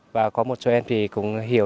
và có một số em thì cũng hiểu